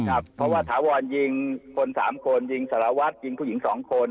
เพราะว่าถาวรยิงคน๓คนยิงสารวัตรยิงผู้หญิง๒คน